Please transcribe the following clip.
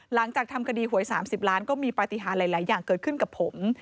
หลังจากทำคดีหวย๓๐ล้านก็มีปฏิหารหลายอย่างเกิดขึ้นกับผม